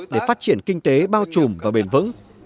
để phát triển kinh tế bao trùm và bền vững